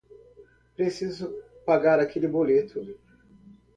preciso pagar aquele boleto